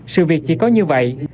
sự việc chỉ có như vậy